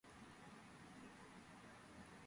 ჩაწერა რამდენიმეჯერ იქნა შეწყვეტილი.